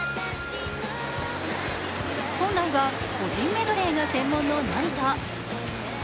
本来は個人メドレーが専門の成田。